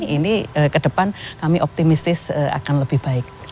ini kedepan kami optimistis akan lebih baik